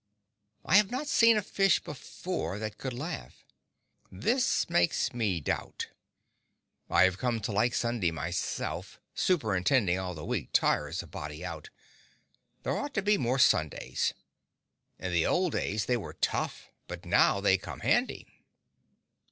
I have not seen a fish before that could laugh. This makes me doubt…. I have come to like Sunday myself. Superintending all the week tires a body so. There ought to be more Sundays. In the old days they were tough, but now they come handy.